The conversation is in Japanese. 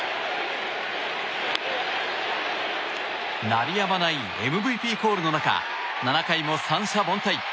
鳴りやまないＭＶＰコールの中７回も三者凡退。